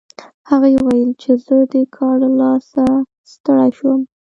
هغې وویل چې زه د کار له لاسه ستړې شوم